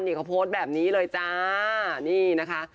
เขาโพสแบบนี้เลยจ้าะนี่นะคะ